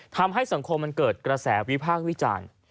ทำให้สังคมมันเกิดกระแสวิพากษ์วิจารณ์